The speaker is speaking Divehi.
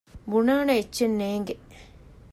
ބުނާނެ އެއްޗެއް ނޭނގެ